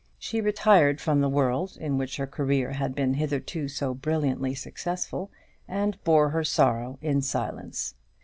She retired from the world in which her career had been hitherto so brilliantly successful, and bore her sorrow in silence.